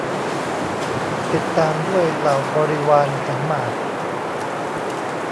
ติดตามด้วยเหล่าบริวารขันหมาก